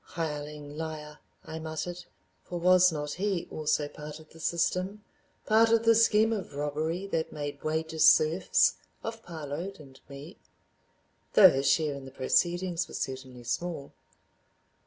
"Hireling Liar," I muttered, for was not he also part of the system, part of the scheme of robbery that made wages serfs of Parload and me?—though his share in the proceedings was certainly small.